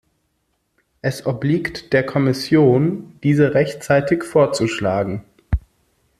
Es obliegt der Kommission, diese rechtzeitig vorzuschlagen.